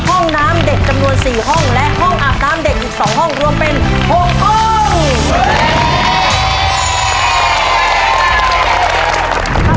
ห้องน้ำเด็กจำนวน๔ห้องและห้องอาบน้ำเด็กอีก๒ห้องรวมเป็น๖ห้อง